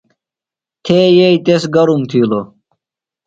تھے یئیی تس گرم تِھیلوۡ۔